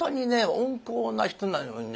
温厚な人なのにね